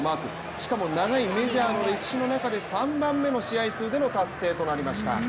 しかも長いメジャーの歴史の中で３番目に少ない試合数での達成となりました。